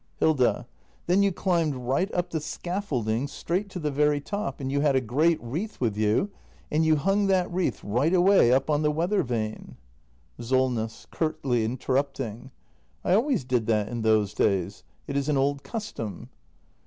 Hilda. Then you climbed right up the scaffolding, straight to the very top; and you had a great wreath with you; and you hung that wreath right away up on the weather vane. Solness. [Curtly interrupting.] I always did that in those days. It is an old custom.